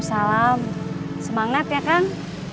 semangat ya kang